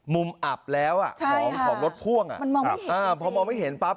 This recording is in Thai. มุมอับแล้วของรถพ่วงพอมองไม่เห็นปั๊บ